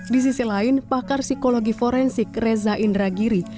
di sisi lain pakar psikologi forensik reza indragiri